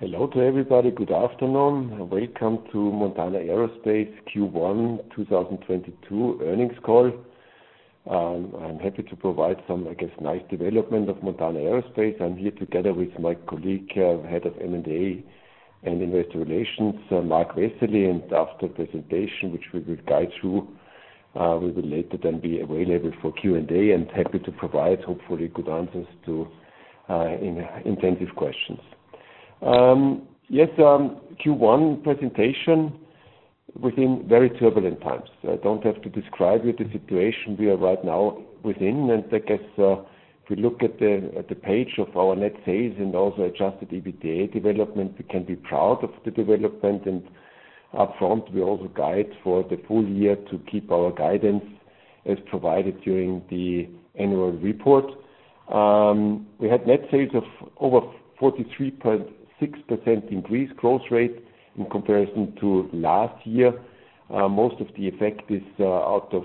Hello to everybody. Good afternoon. Welcome to Montana Aerospace Q1 2022 earnings call. I'm happy to provide some, I guess, nice development of Montana Aerospace. I'm here together with my colleague, Head of M&A and Investor Relations, Marc Vesely recte Riha. After presentation, which we will guide through, we will later then be available for Q&A, and happy to provide hopefully good answers to intensive questions. Yes, Q1 presentation within very turbulent times. I don't have to describe it, the situation we are right now within. I guess, if we look at the page of our net sales and also adjusted EBITDA development, we can be proud of the development. Upfront, we also guide for the full year to keep our guidance as provided during the annual report. We had net sales of over 43.6% increase growth rate in comparison to last year. Most of the effect is out of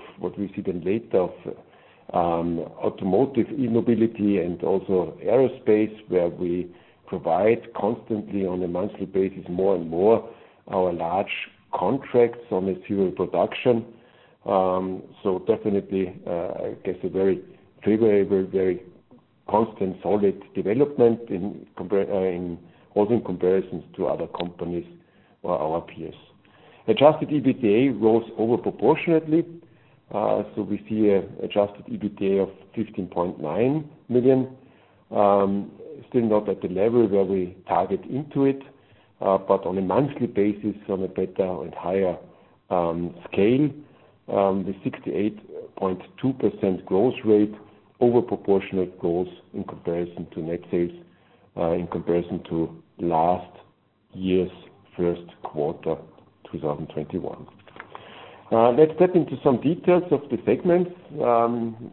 automotive, E-Mobility, and also aerospace, where we provide constantly on a monthly basis, more and more our large contracts on a serial production. Definitely, I guess a very favorable, very constant, solid development also in comparisons to other companies or our peers. Adjusted EBITDA rose over proportionately. We see a adjusted EBITDA of 15.9 million, still not at the level where we target into it, but on a monthly basis, on a better and higher scale. The 68.2% growth rate, over proportionate growth in comparison to net sales, in comparison to last year's first quarter, 2021. Let's step into some details of the segments.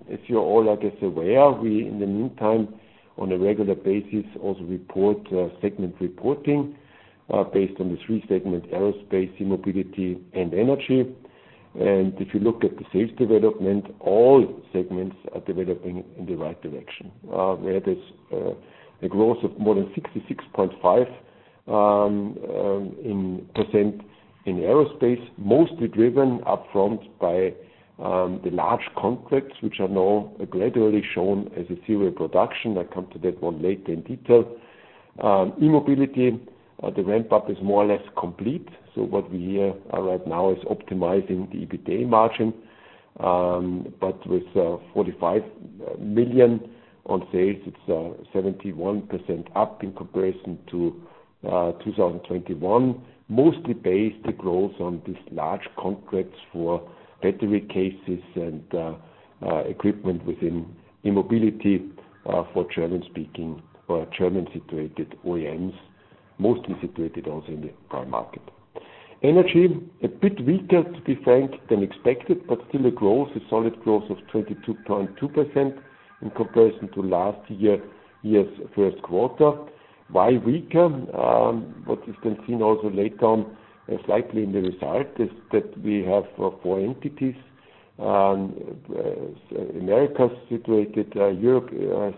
If you're all, I guess, aware, we in the meantime, on a regular basis, also report segment reporting based on the three segments, aerospace, E-Mobility, and energy. If you look at the sales development, all segments are developing in the right direction. Where there's a growth of more than 66.5% in aerospace. Mostly driven upfront by the large contracts, which are now gradually shown as a serial production. I come to that one later in detail. e-mobility, the ramp up is more or less complete, so what we hear right now is optimizing the EBITDA margin. With 45 million in sales, it's 71% up in comparison to 2021. Mostly based the growth on these large contracts for battery cases and equipment within e-mobility for German-speaking or German-situated OEMs, mostly situated also in the current market. Energy, a bit weaker, to be frank, than expected, but still a growth, a solid growth of 22.2% in comparison to last year's first quarter. Why weaker? What is then seen also later on, slightly in the result, is that we have four entities. South America situated, Europe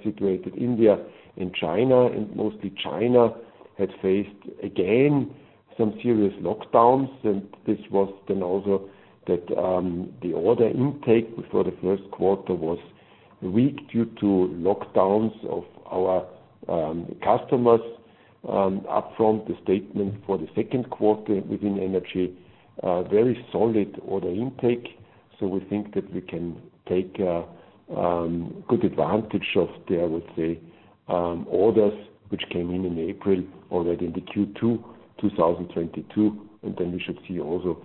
situated, India, and China. Mostly China had faced again some serious lockdowns, and this was then also that the order intake before the first quarter was weak due to lockdowns of our customers. Up front, the statement for the second quarter within energy, a very solid order intake. We think that we can take a good advantage of the, I would say, orders which came in April, already in the Q2 2022. We should see also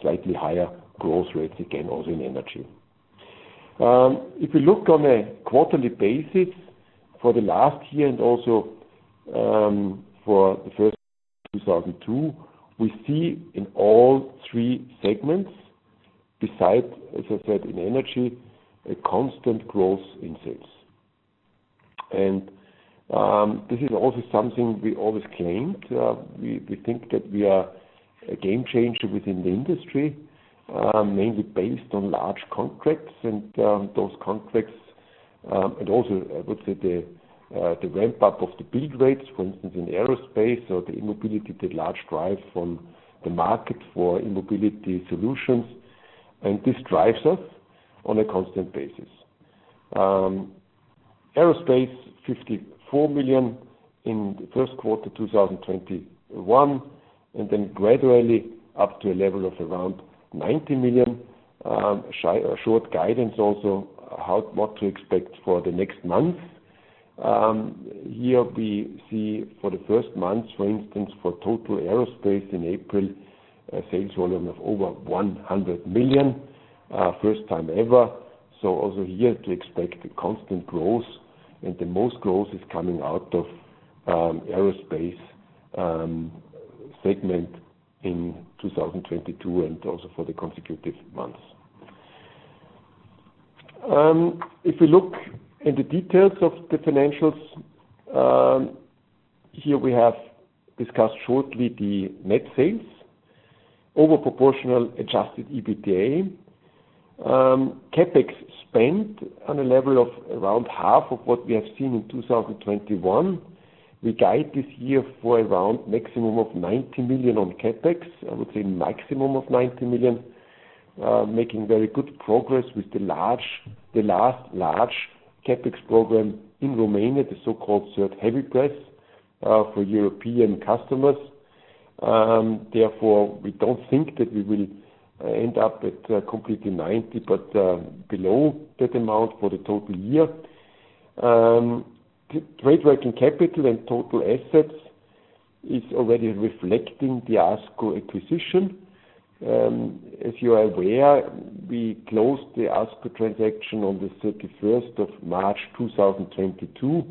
slightly higher growth rates again, also in energy. If you look on a quarterly basis for the last year and also for the first 2022, we see in all three segments, besides, as I said in energy, a constant growth in sales. This is also something we always claimed. We think that we are a game changer within the industry, mainly based on large contracts and those contracts, and also I would say the ramp up of the build rates, for instance, in aerospace or the e-mobility, the large drive from the market for E-Mobility solutions. This drives us on a constant basis. Aerospace, 54 million in the first quarter, 2021, and then gradually up to a level of around 90 million. Short guidance also, what to expect for the next month. Here we see for the first month, for instance, for total aerospace in April, a sales volume of over 100 million, first time ever. Also here to expect a constant growth, and the most growth is coming out of aerospace segment in 2022 and also for the consecutive months. If we look in the details of the financials, here we have discussed shortly the net sales. Over proportional adjusted EBITDA. CapEx spend on a level of around half of what we have seen in 2021. We guide this year for around maximum of 90 million on CapEx. I would say maximum of 90 million. Making very good progress with the last large CapEx program in Romania, the so-called third heavy press for European customers. Therefore, we don't think that we will end up at completely ninety, but below that amount for the total year. Trade working capital and total assets is already reflecting the ASCO acquisition. If you are aware, we closed the ASCO transaction on the 31st of March, 2022,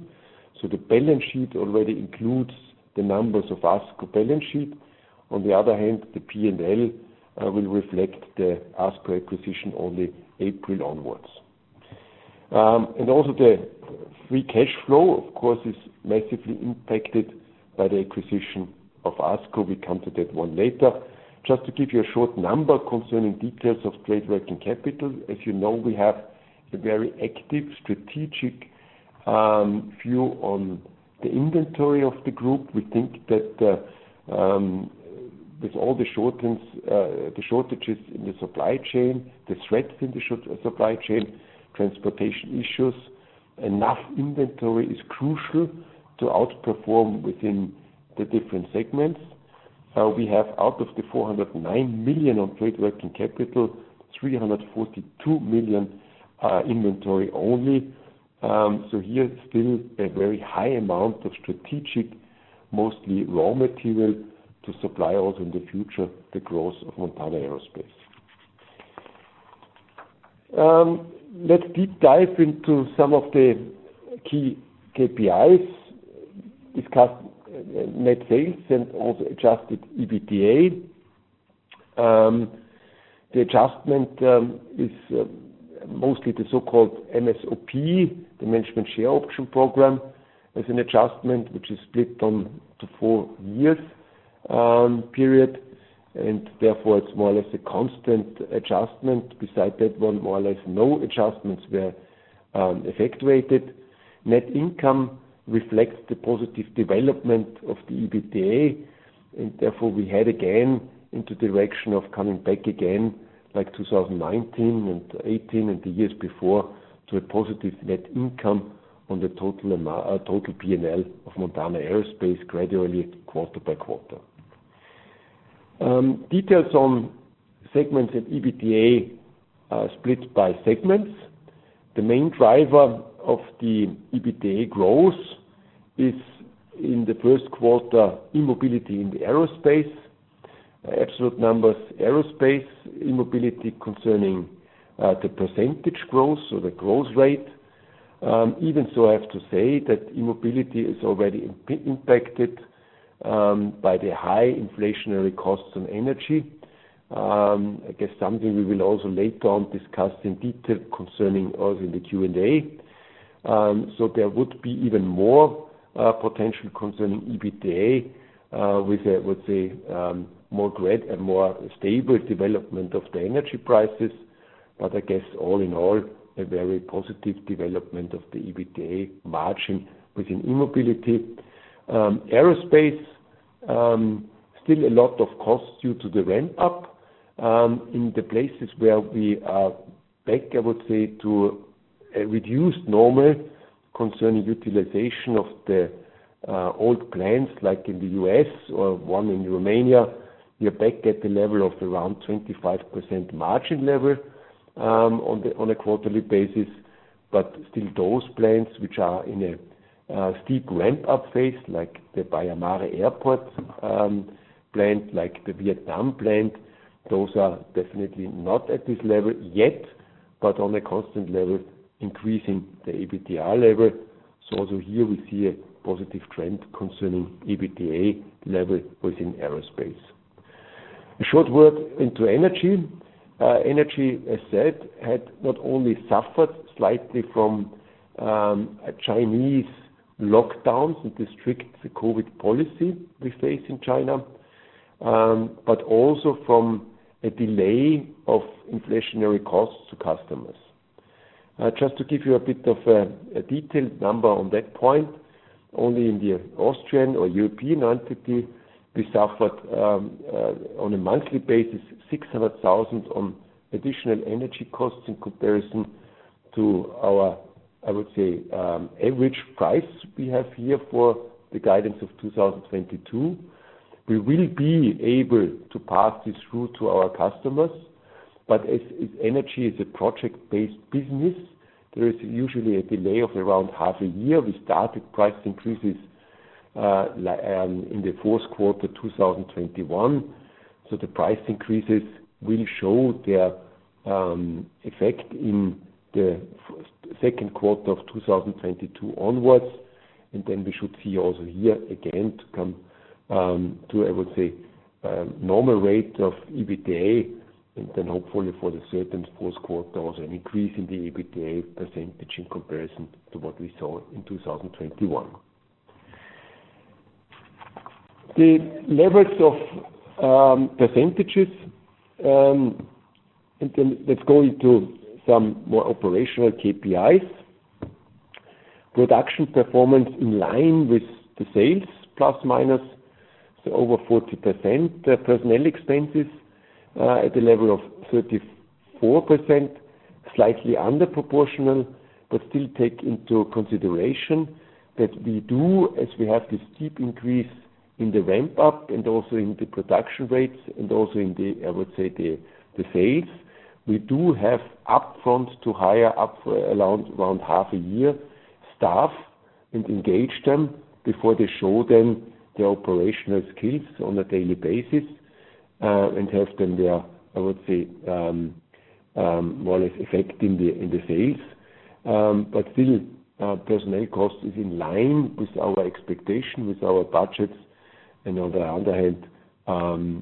so the balance sheet already includes the numbers of ASCO balance sheet. On the other hand, the P&L will reflect the ASCO acquisition only April onwards. The Free Cash Flow, of course, is massively impacted by the acquisition of ASCO. We come to that one later. Just to give you a short number concerning details of trade working capital. As you know, we have a very active strategic view on the inventory of the group. We think that with all the shortages in the supply chain, the threats in the supply chain, transportation issues, enough inventory is crucial to outperform within the different segments. We have out of the 409 million on trade working capital, 342 million, inventory only. Here still a very high amount of strategic, mostly raw material to supply also in the future the growth of Montana Aerospace. Let's deep dive into some of the key KPIs, discuss net sales and also adjusted EBITDA. The adjustment is mostly the so-called MSOP, the Management Share Option Program, as an adjustment, which is split on to four years period, and therefore it's more or less a constant adjustment. Besides that one, more or less no adjustments were effectuated. Net income reflects the positive development of the EBITDA, and therefore we head again into direction of coming back again, like 2019 and 2018 and the years before, to a positive net income on the total P&L of Montana Aerospace gradually quarter by quarter. Details on segments at EBITDA split by segments. The main driver of the EBITDA growth is in the first quarter, E-Mobility and aerospace. Absolute numbers, aerospace, E-Mobility concerning, the percentage growth, so the growth rate. Even so, I have to say that E-Mobility is already impacted by the high inflationary costs on energy. I guess something we will also later on discuss in detail concerning also in the Q&A. There would be even more potential concerning EBITDA with a, I would say, more great and more stable development of the energy prices. I guess all in all, a very positive development of the EBITDA margin within E-Mobility. Aerospace still a lot of costs due to the ramp up in the places where we are back, I would say, to a reduced normal concerning utilization of the old plants, like in the U.S. or one in Romania. We are back at the level of around 25% margin level on a quarterly basis. Still those plants which are in a steep ramp-up phase, like the Baia Mare plant, like the Vietnam plant, those are definitely not at this level yet, but on a constant level, increasing the EBITDA level. Also here we see a positive trend concerning EBITDA level within aerospace. A short word into energy. Energy, as said, had not only suffered slightly from a Chinese lockdown, so the strict COVID policy we face in China, but also from a delay of inflationary costs to customers. Just to give you a bit of a detailed number on that point. Only in the Austrian or European entity, we suffered on a monthly basis, 600,000 in additional energy costs in comparison to our, I would say, average price we have here for the guidance of 2022. We will be able to pass this through to our customers, but as energy is a project-based business, there is usually a delay of around half a year. We started price increases in the fourth quarter 2021. The price increases will show their effect in the second quarter of 2022 onwards. We should see also here again to come to I would say normal rate of EBITDA. Hopefully for the certain fourth quarter also an increase in the EBITDA percentage in comparison to what we saw in 2021. The levels of percentages let's go into some more operational KPIs. Production performance in line with the sales, plus minus, so over 40%. The personnel expenses at the level of 34%, slightly under proportional. Still take into consideration that we do, as we have this steep increase in the ramp up and also in the production rates and also in the, I would say, the sales. We do have upfront to hire up for around half a year staff and engage them before they show them the operational skills on a daily basis, and have them there, I would say, more or less effect in the sales. Personnel cost is in line with our expectation, with our budgets. On the other hand,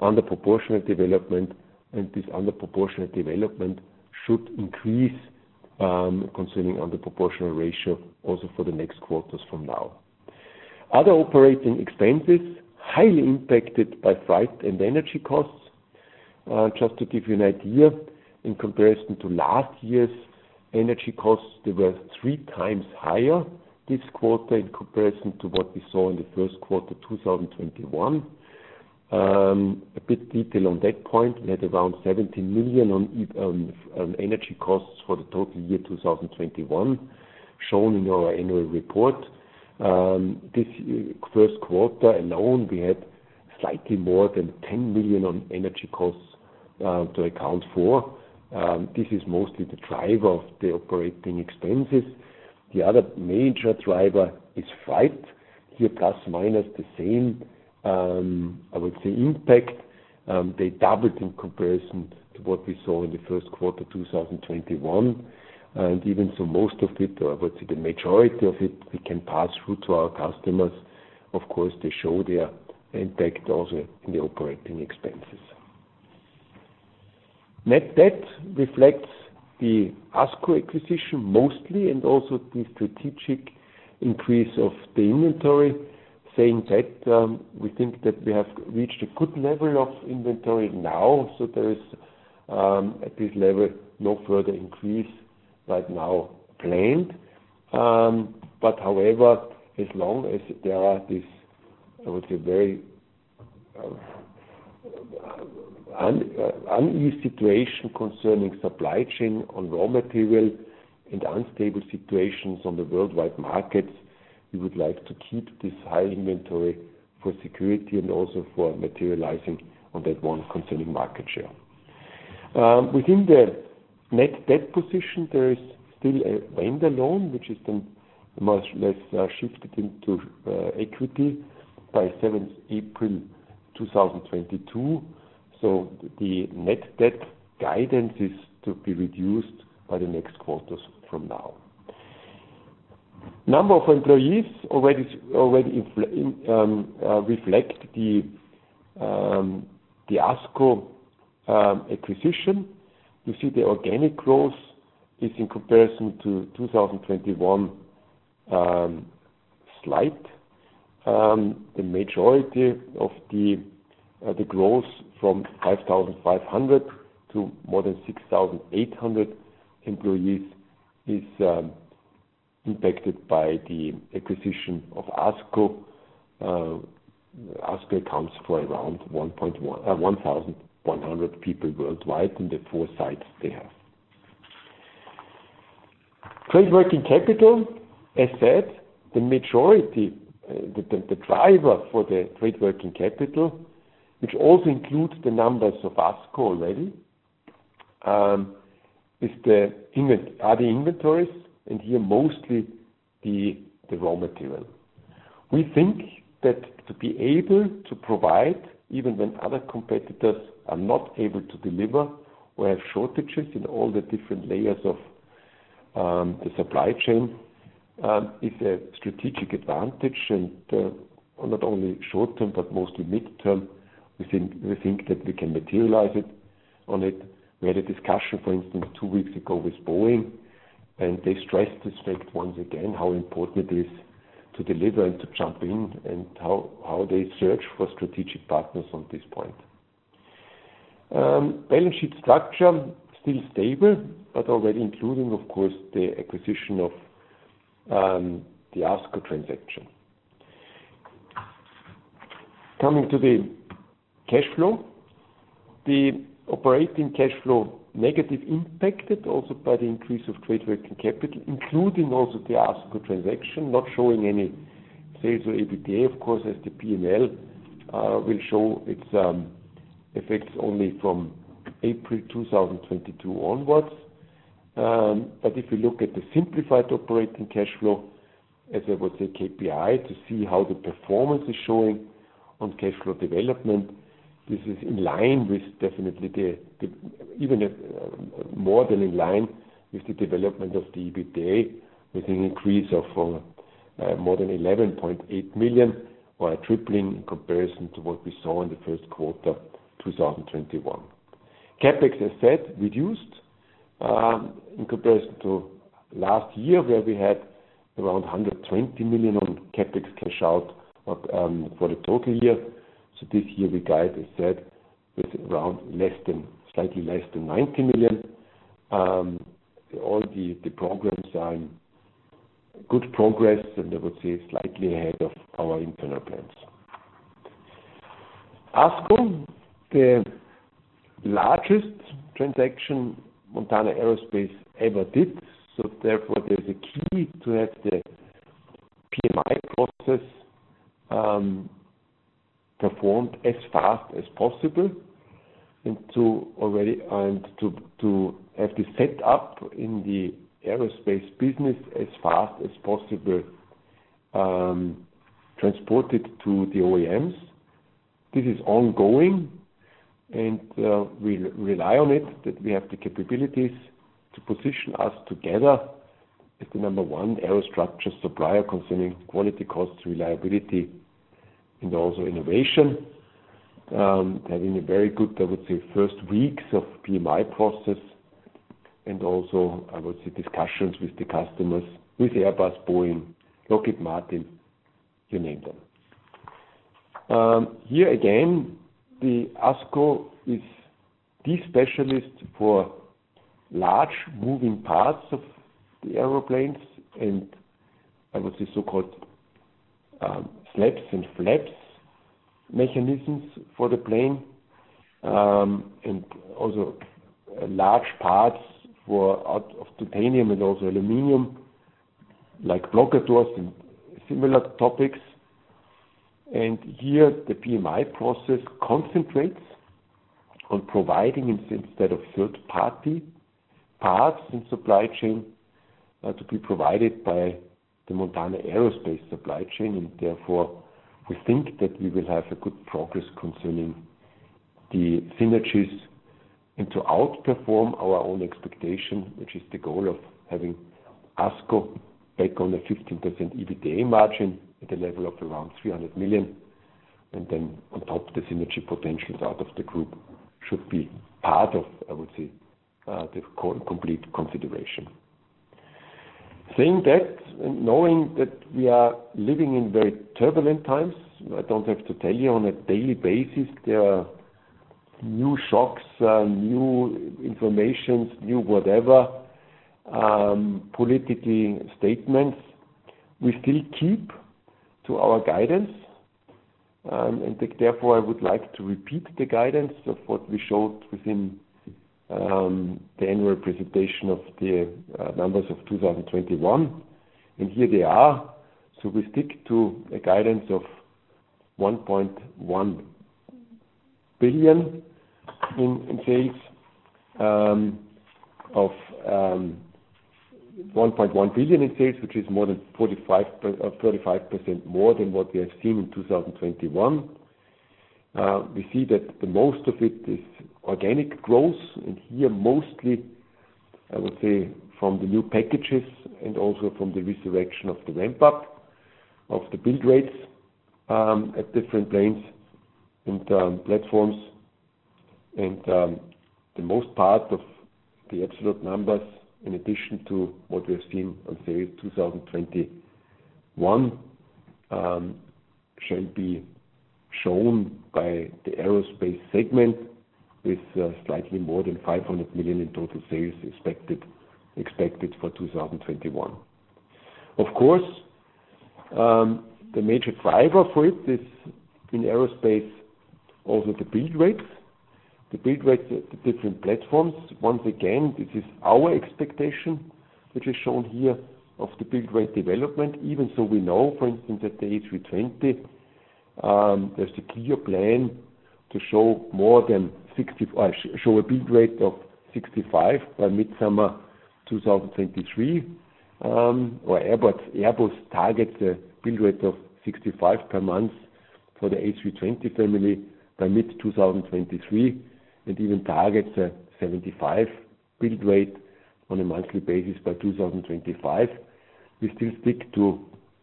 under proportional development, and this under proportional development should increase concerning under proportional ratio also for the next quarters from now. Other operating expenses, highly impacted by freight and energy costs. Just to give you an idea, in comparison to last year's energy costs, they were 3x higher this quarter in comparison to what we saw in the first quarter, 2021. A bit detail on that point. We had around 17 million on energy costs for the total year, 2021, shown in our annual report. This first quarter alone, we had slightly more than 10 million on energy costs to account for. This is mostly the driver of the operating expenses. The other major driver is freight. Here, plus, minus the same, I would say, impact. They doubled in comparison to what we saw in the first quarter, 2021. Even so most of it, or I would say the majority of it, we can pass through to our customers. Of course, they show their impact also in the operating expenses. Net debt reflects the ASCO acquisition mostly, and also the strategic increase of the inventory. Saying that, we think that we have reached a good level of inventory now. There is, at this level, no further increase right now planned. However, as long as there are this, I would say, very uneasy situation concerning supply chain on raw material and unstable situations on the worldwide markets, we would like to keep this high inventory for security and also for materializing on that one concerning market share. Within the net debt position, there is still a vendor loan, which has been much less shifted into equity by seventh April 2022. The net debt guidance is to be reduced by the next quarters from now. Number of employees already reflect the ASCO acquisition. You see the organic growth is in comparison to 2021, slight. The majority of the growth from 5,500 to more than 6,800 employees is impacted by the acquisition of ASCO. ASCO accounts for around 1,100 people worldwide in the four sites they have. Trade working capital, as said, the majority, the driver for the trade working capital, which also includes the numbers of ASCO already, are the inventories, and here, mostly the raw material. We think that to be able to provide, even when other competitors are not able to deliver, we have shortages in all the different layers of the supply chain, is a strategic advantage. Not only short-term, but mostly mid-term, we think that we can materialize it on it. We had a discussion, for instance, two weeks ago with Boeing, and they stressed this fact once again, how important it is to deliver and to jump in and how they search for strategic partners on this point. Balance sheet structure, still stable, but already including, of course, the acquisition of the ASCO transaction. Coming to the cash flow. The operating cash flow negative impacted also by the increase of trade working capital, including also the ASCO transaction, not showing any sales or EBITDA, of course, as the P&L will show its effects only from April 2022 onwards. If you look at the simplified operating cash flow, as I would say, KPI, to see how the performance is showing on cash flow development, this is in line with definitely the even if more than in line with the development of the EBITDA, with an increase of more than 11.8 million or a tripling in comparison to what we saw in the first quarter, 2021. CapEx, as said, reduced in comparison to last year, where we had around 120 million on CapEx cash out for the total year. This year, we guide, as said, with slightly less than 90 million. All the programs are in good progress, and I would say slightly ahead of our internal plans. ASCO, the largest transaction Montana Aerospace ever did. Therefore, there's a key to have the PMI process performed as fast as possible and to have the set up in the aerospace business as fast as possible transported to the OEMs. This is ongoing, and we rely on it that we have the capabilities to position us together as the number one aerostructure supplier concerning quality, costs, reliability and also innovation. Having a very good, I would say, first weeks of PMI process and also I would say discussions with the customers, with Airbus, Boeing, Lockheed Martin, you name them. Here again, the ASCO is the specialist for large moving parts of the airplanes, and I would say so-called slats and flaps mechanisms for the plane, and also large parts out of titanium and also aluminum, like blocker doors and similar topics. Here the PMI process concentrates on providing instead of third-party parts and supply chain to be provided by the Montana Aerospace supply chain. Therefore we think that we will have a good progress concerning the synergies and to outperform our own expectation, which is the goal of having ASCO back on a 15% EBITDA margin at a level of around 300 million. Then on top, the synergy potentials out of the group should be part of, I would say, the complete consideration. Saying that and knowing that we are living in very turbulent times, I don't have to tell you on a daily basis, there are new shocks, new information, new whatever, political statements. We still keep to our guidance, and therefore, I would like to repeat the guidance of what we showed within the annual presentation of the numbers of 2021. Here they are. We stick to a guidance of 1.1 billion in sales, which is more than 35% more than what we have seen in 2021. We see that the most of it is organic growth and here mostly, I would say, from the new packages and also from the resurrection of the ramp up of the build rates at different planes and platforms. The most part of the absolute numbers, in addition to what we have seen on sales 2021, shall be shown by the aerospace segment with slightly more than 500 million in total sales expected for 2021. Of course, the major driver for it is in aerospace, also the build rates. The build rates at the different platforms. Once again, this is our expectation, which is shown here of the build rate development. Even so, we know, for instance, that the A320, there's a clear plan to show a build rate of 65 by mid-summer 2023. Airbus targets a build rate of 65 per month for the A320 family by mid 2023 and even targets a 75 build rate on a monthly basis by 2025. We still stick to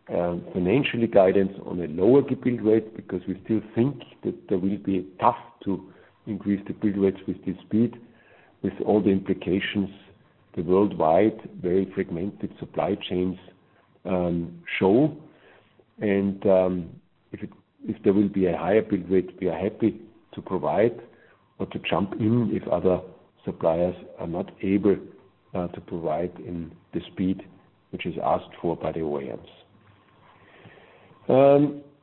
our financial guidance on a lower build rate because we still think that will be tough to increase the build rates with this speed, with all the implications the worldwide very fragmented supply chains show. If there will be a higher build rate, we are happy to provide or to jump in if other suppliers are not able to provide in the speed which is asked for by the OEMs.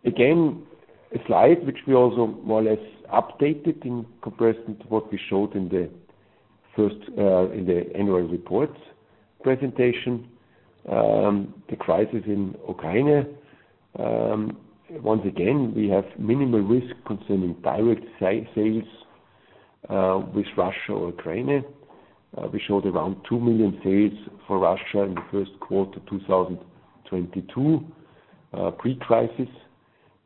Again, a slide which we also more or less updated in comparison to what we showed in the annual report presentation. The crisis in Ukraine. Once again, we have minimal risk concerning direct sales with Russia or Ukraine. We showed around 2 million sales for Russia in the first quarter 2022, pre-crisis,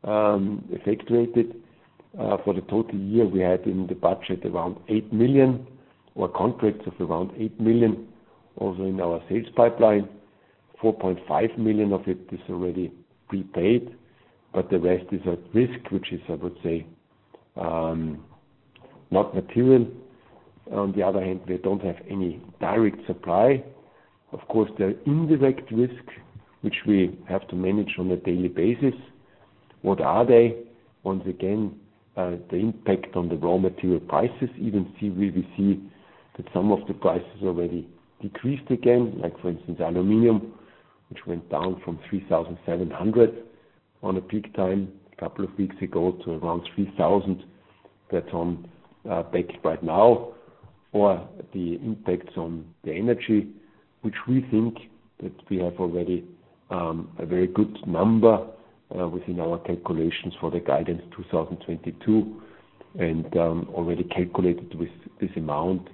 effectuated. For the total year, we had in the budget around 8 million or contracts of around 8 million also in our sales pipeline. 4.5 million of it is already prepaid, but the rest is at risk, which is, I would say, not material. On the other hand, we don't have any direct supply. Of course, there are indirect risk, which we have to manage on a daily basis. What are they? Once again, the impact on the raw material prices. Even here we will see that some of the prices already decreased again, like for instance, aluminum, which went down from 3,700 on a peak time a couple of weeks ago to around 3,000. That's the peak right now. The impacts on the energy, which we think that we have already a very good number within our calculations for the guidance 2022, and already calculated with this amount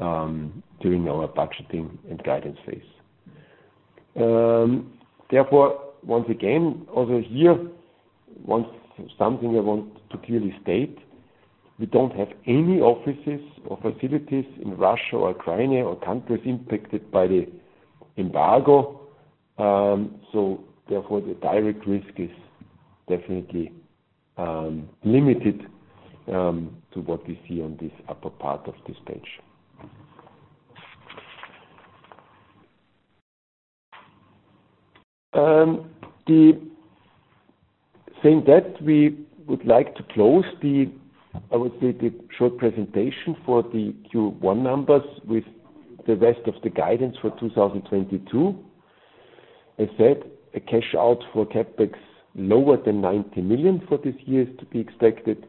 during our budgeting and guidance phase. Therefore, once again, over here, something I want to clearly state, we don't have any offices or facilities in Russia or Ukraine or countries impacted by the embargo. Therefore, the direct risk is definitely limited to what we see on this upper part of this page. Saying that, we would like to close the, I would say, the short presentation for the Q1 numbers with the rest of the guidance for 2022. As said, a cash out for CapEx lower than 90 million for this year is to be expected.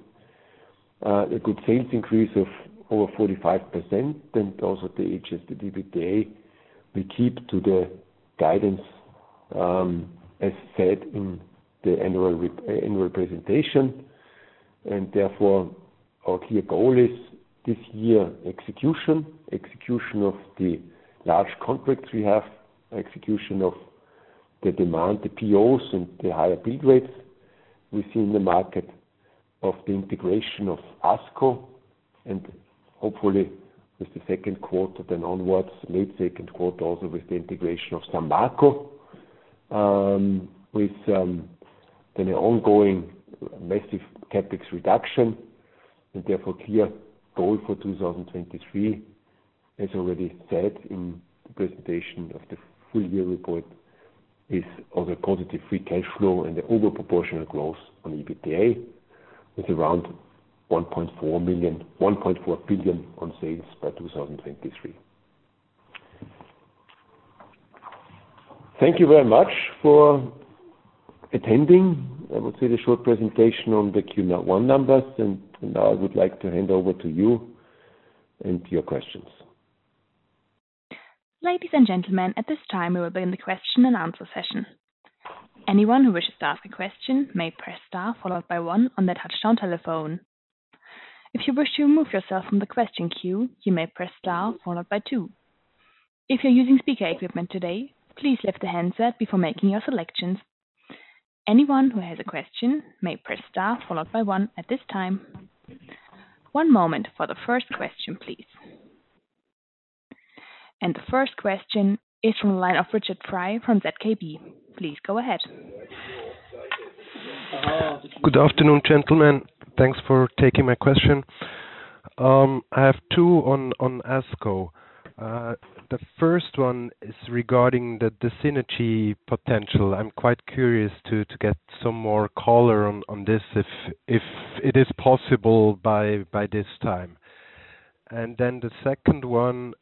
A good sales increase of over 45%, and also the adjusted EBITDA. We keep to the guidance, as said in the annual presentation. Therefore, our clear goal is this year, execution of the large contracts we have, execution of the demand, the POs and the higher bill rates we see in the market of the integration of ASCO. Hopefully, with the second quarter then onwards, mid-second quarter also with the integration of São Marco. With an ongoing massive CapEx reduction, and therefore clear goal for 2023, as already said in the presentation of the full year report, is of a positive Free Cash Flow and the over proportional growth on EBITDA with around 1.4 billion on sales by 2023. Thank you very much for attending, I would say, the short presentation on the Q1 numbers. Now I would like to hand over to you and your questions. Ladies and gentlemen, at this time, we will begin the question and answer session. Anyone who wishes to ask a question may press star followed by one on their touchtone telephone. If you wish to remove yourself from the question queue, you may press star followed by two. If you're using speaker equipment today, please lift the handset before making your selections. Anyone who has a question may press star followed by one at this time. One moment for the first question, please. The first question is from the line of Richard from ZKB Securities. Please go ahead. Good afternoon, gentlemen. Thanks for taking my question. I have two on ASCO. The first one is regarding the synergy potential. I'm quite curious to get some more color on this if it is possible by this time. The second one,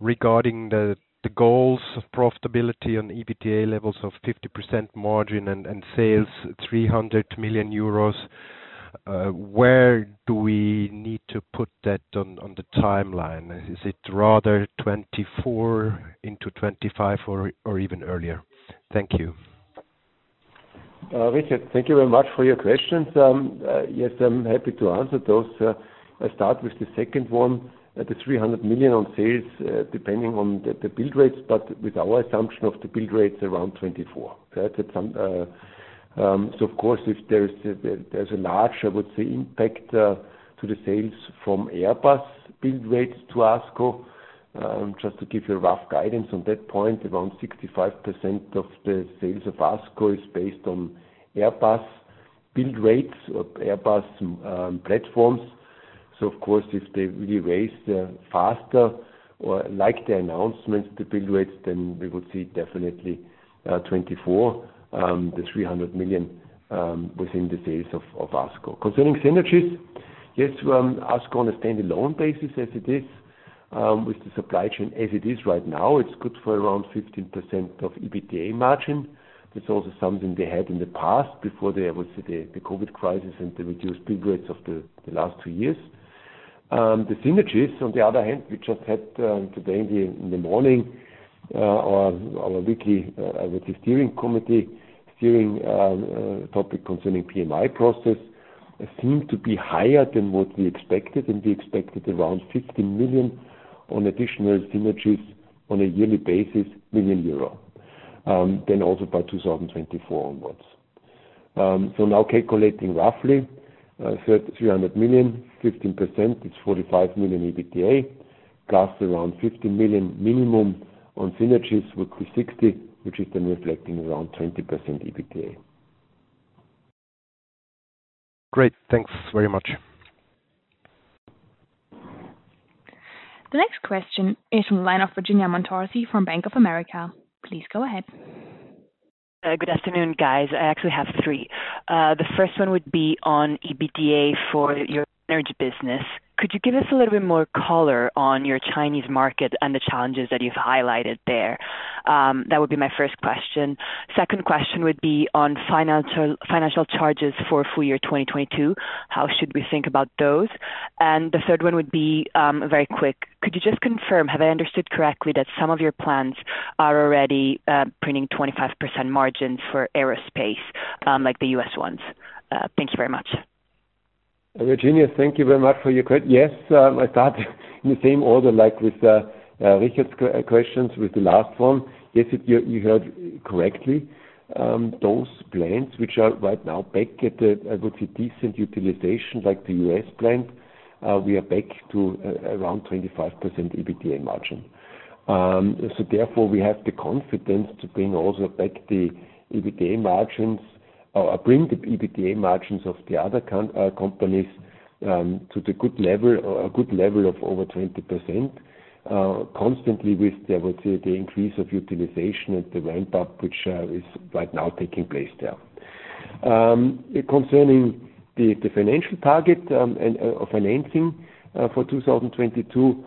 regarding the goals of profitability on EBITDA levels of 50% margin and sales 300 million euros. Where do we need to put that on the timeline? Is it rather 2024 into 2025 or even earlier? Thank you. Richard, thank you very much for your questions. Yes, I'm happy to answer those. I start with the second one. The 300 million on sales, depending on the build rates, but with our assumption of the build rates around 24. Of course, if there's a large impact to the sales from Airbus build rates to ASCO. Just to give you a rough guidance on that point, around 65% of the sales of ASCO is based on Airbus build rates or Airbus platforms. Of course, if they really raise them faster or like the announcements, the build rates, then we would see definitely 24, the 300 million within the sales of ASCO. Concerning synergies, yes, ASCO on a stand-alone basis as it is, with the supply chain as it is right now, it's good for around 15% of EBITDA margin. That's also something they had in the past before, I would say, the COVID crisis and the reduced build rates of the last two years. The synergies, on the other hand, we just had today in the morning our weekly, I would say, steering committee topic concerning PMI process seem to be higher than what we expected, and we expected around 50 million in additional synergies on a yearly basis. Also by 2024 onwards. Now calculating roughly, 300 million, 15% is 45 million EBITDA, plus around 15 million minimum on synergies would be 60 million, which is then reflecting around 20% EBITDA. Great. Thanks very much. The next question is from the line of Virginia Montorsi from Bank of America Merrill Lynch. Please go ahead. Good afternoon, guys. I actually have three. The first one would be on EBITDA for your energy business. Could you give us a little bit more color on your Chinese market and the challenges that you've highlighted there? That would be my first question. Second question would be on financial charges for full year 2022. How should we think about those? The third one would be very quick. Could you just confirm, have I understood correctly that some of your plants are already printing 25% margins for aerospace, like the U.S. ones? Thank you very much. Virginia, thank you very much for your question. Yes, I start in the same order, like with Richard's questions with the last one. Yes, you heard correctly. Those plants which are right now back at, I would say, a decent utilization like the U.S. plant, we are back to around 25% EBITDA margin. Therefore we have the confidence to bring also back the EBITDA margins or bring the EBITDA margins of the other countries, companies, to the good level, a good level of over 20%, consistent with, I would say, the increase of utilization and the ramp up which is right now taking place there. Concerning the financial targets and financing for 2022,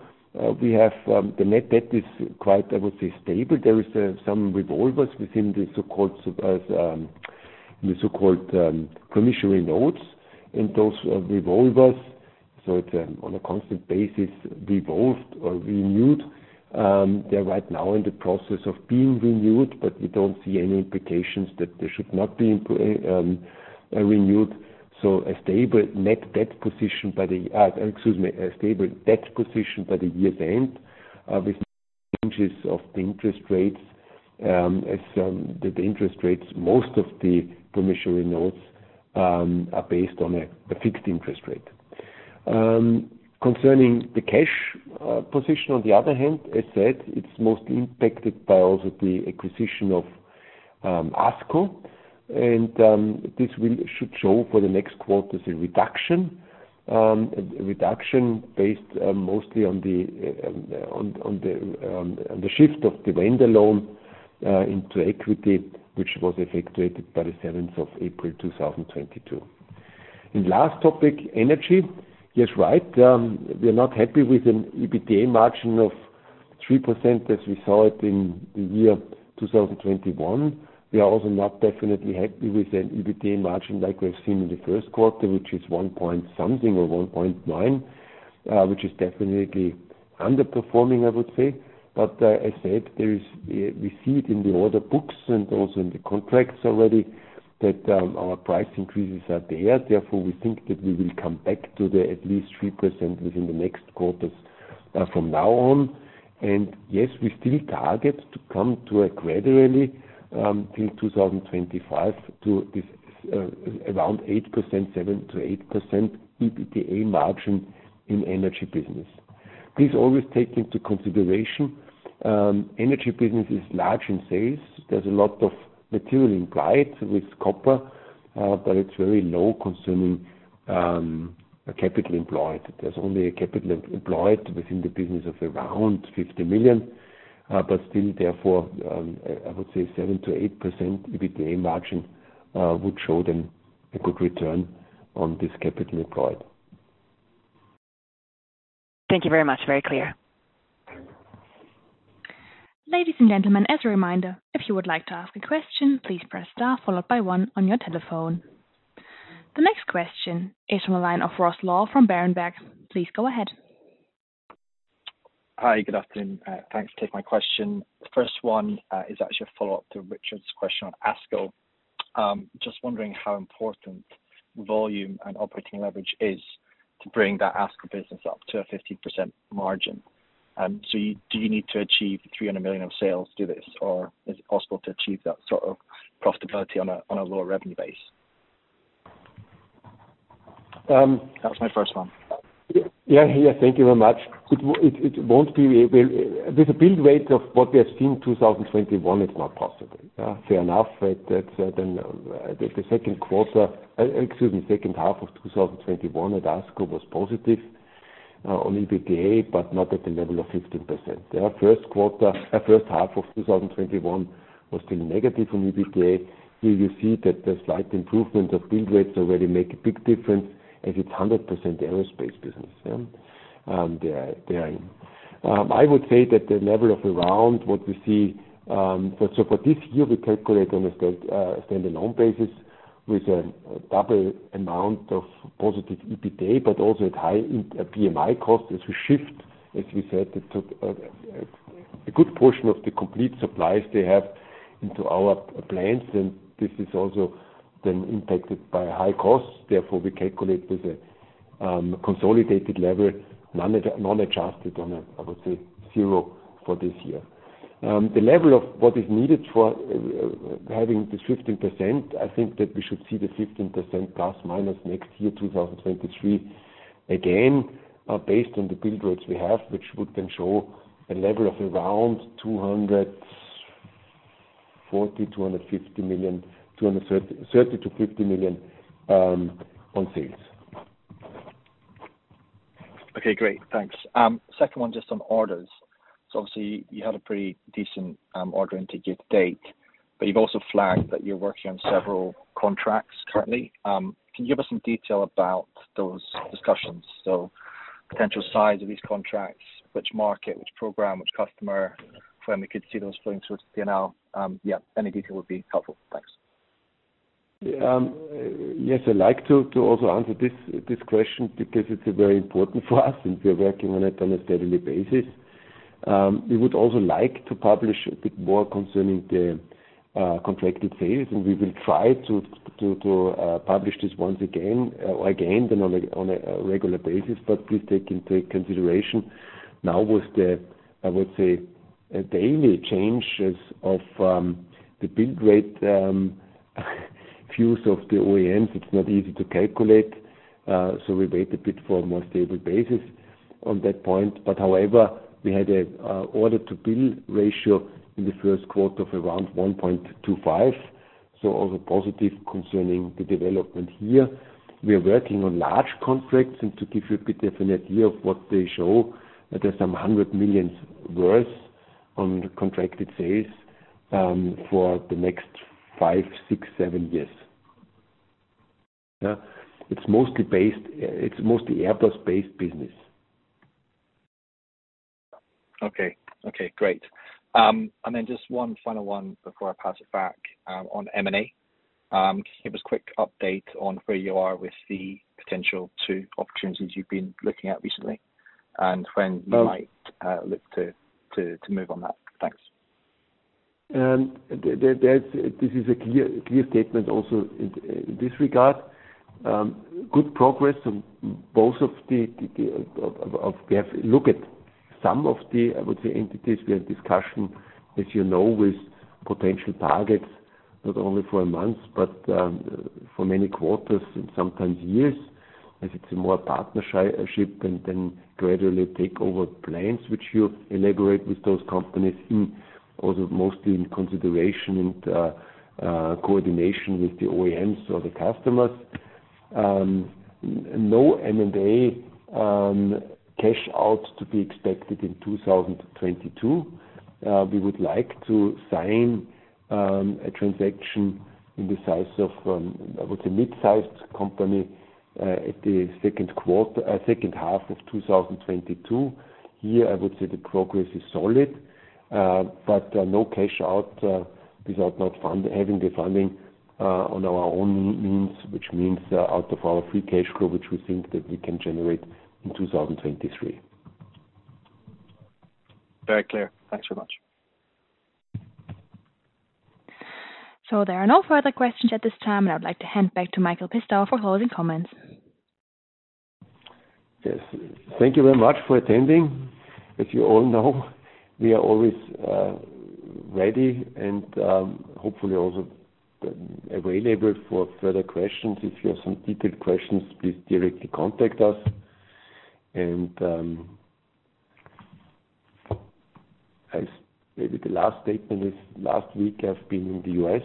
we have the net debt is quite, I would say, stable. There is some revolvers within the so-called Schuldschein notes and those revolvers. It's on a constant basis revolved or renewed. They're right now in the process of being renewed, but we don't see any implications that they should not be renewed. A stable debt position by the year's end with changes of the interest rates, as the interest rates, most of the Schuldschein notes are based on a fixed interest rate. Concerning the cash position, on the other hand, as said, it's mostly impacted by also the acquisition of ASCO. This should show for the next quarters a reduction based mostly on the shift of the vendor loan into equity, which was effectuated by the seventh of April 2022. Last topic, energy. Yes, right. We are not happy with an EBITDA margin of 3% as we saw it in the year 2021. We are also not definitely happy with an EBITDA margin like we have seen in the first quarter, which is one point something or 1.9, which is definitely underperforming, I would say. As said, we see it in the order books and also in the contracts already that our price increases are there. Therefore, we think that we will come back to at least 3% within the next quarters from now on. Yes, we still target to come to a gradually till 2025 to this around 8%, 7%-8% EBITDA margin in energy business. Please always take into consideration energy business is large in sales. There's a lot of material implied with copper, but it's very low consuming capital employed. There's only a capital employed within the business of around 50 million. But still, therefore, I would say 7%-8% EBITDA margin would show them a good return on this capital employed. Thank you very much. Very clear. Ladies and gentlemen, as a reminder, if you would like to ask a question, please press star followed by one on your telephone. The next question is from a line of Ross Law from Berenberg. Please go ahead. Hi. Good afternoon. Thanks for taking my question. The first one is actually a follow-up to Richard's question on ASCO. Just wondering how important volume and operating leverage is to bring that ASCO business up to a 15% margin. So do you need to achieve 300 million of sales to do this, or is it possible to achieve that sort of profitability on a lower revenue base? That was my first one. Thank you very much. It won't be able. With the build rate of what we have seen, 2021 is not possible. Fair enough. That's then the second half of 2021 at ASCO was positive on EBITDA, but not at the level of 15%. Their first half of 2021 was still negative on EBITDA. Here you see that the slight improvement of build rates already make a big difference as it's 100% aerospace business, yeah. They are in. I would say that the level of around what we see, so for this year we calculate on a stand-alone basis with a double amount of positive EBITDA, but also at high PMI cost as we shift, as we said, to a good portion of the complete supplies they have into our plants. This is also then impacted by high costs. Therefore, we calculate with a consolidated level, non-adjusted on a, I would say, zero for this year. The level of what is needed for having this 15%, I think that we should see the 15%± next year, 2023. Again, based on the build rates we have, which would then show a level of around 230 million-250 million on sales. Okay, great. Thanks. Second one just on orders. Obviously you had a pretty decent order intake to date, but you've also flagged that you're working on several contracts currently. Can you give us some detail about those discussions? Potential size of these contracts, which market, which program, which customer, when we could see those flowing through to P&L? Yeah, any detail would be helpful. Thanks. Yeah. Yes, I'd like to also answer this question because it's very important for us, and we're working on it on a daily basis. We would also like to publish a bit more concerning the contracted sales, and we will try to publish this once again, then on a regular basis. Please take into consideration now, with the, I would say, daily changes of the book-to-bill ratio of the OEMs. It's not easy to calculate. We wait a bit for a more stable basis on that point. However, we had a book-to-bill ratio in the first quarter of around 1.25. Also positive concerning the development here. We are working on large contracts and to give you a bit definite view of what they show, there's some hundreds of millions euros worth of contracted sales for the next five, six, seven years. Yeah. It's mostly Airbus-based business. Okay, great. Just one final one before I pass it back, on M&A. Can you give us a quick update on where you are with the potential two opportunities you've been looking at recently and when you might look to move on that? Thanks. This is a clear statement also in this regard, good progress on both of the. We have a look at some of the, I would say, entities. We have discussions, as you know, with potential targets, not only for a month, but for many quarters and sometimes years, as it's more a partnership and then gradually take over clients which we elaborate with those companies, also mostly in consideration and coordination with the OEMs or the customers. No M&A cash out to be expected in 2022. We would like to sign a transaction in the size of, I would say, a mid-sized company, at the second quarter, second half of 2022. Here, I would say the progress is solid, but no cash out without having the funding on our own means, which means out of our Free Cash Flow, which we think that we can generate in 2023. Very clear. Thanks very much. There are no further questions at this time, and I'd like to hand back to Michael Pistauer for closing comments. Yes. Thank you very much for attending. As you all know, we are always ready and hopefully also available for further questions. If you have some detailed questions, please directly contact us. Maybe the last statement is last week I've been in the U.S.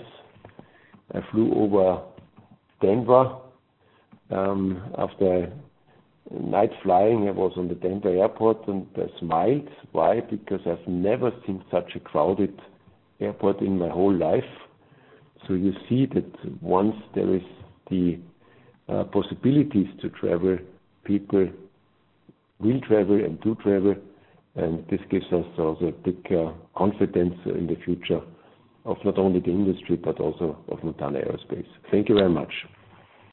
I flew over Denver. After night flying, I was on the Denver airport and I smiled. Why? Because I've never seen such a crowded airport in my whole life. You see that once there is the possibilities to travel, people will travel and do travel. This gives us also a big confidence in the future of not only the industry but also of Montana Aerospace. Thank you very much.